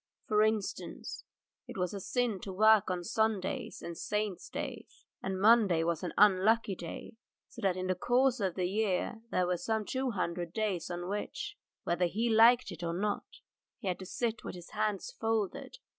For instance, it was a sin to work on Sundays or Saints' days, and Monday was an unlucky day, so that in the course of the year there were some two hundred days on which, whether he liked it or not, he had to sit with his hands folded.